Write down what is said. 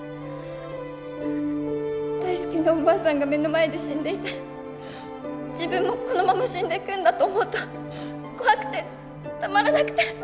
大好きなおばあさんが目の前で死んでいて自分もこのまま死んでいくんだと思うと怖くてたまらなくて。